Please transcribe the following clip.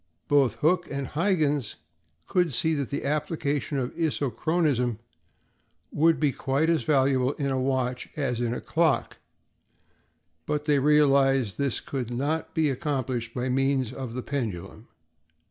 Both Hooke and Huyghens could see that the application of isochronism would be quite as valuable in a watch as in a clock, but they realized that this could not be accomplished by means of the pendulum.